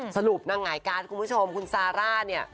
สรุปนางหงายการ์ดคุณผู้ชมคุณซาร่าเนี่ย